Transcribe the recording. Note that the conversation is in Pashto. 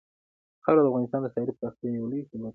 خاوره د افغانستان د ښاري پراختیا یو لوی سبب کېږي.